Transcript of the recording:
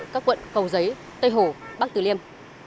cầu giấy tây hổ bắc tử liêm